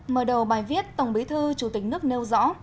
mở đầu bài viết tổng bí thư chủ tịch nước nêu rõ